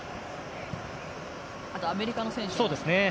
あとアメリカの選手も。